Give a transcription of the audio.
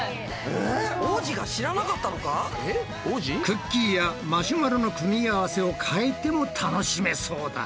クッキーやマシュマロの組み合わせを変えても楽しめそうだ。